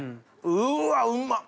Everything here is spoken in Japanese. うわうまっ！